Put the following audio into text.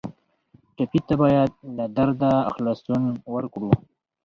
ټپي ته باید له درده خلاصون ورکړو.